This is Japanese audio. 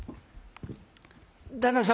旦那様」。